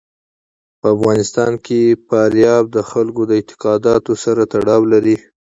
په افغانستان کې فاریاب د خلکو د اعتقاداتو سره تړاو لري.